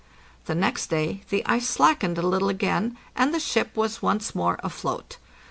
The next day the ice slackened a little again, and the ship was once more afloat.